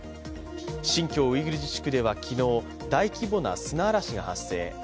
新疆ウイグル自治区では昨日大規模な砂嵐が発生。